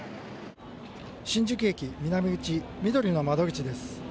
新宿駅南口みどりの窓口です。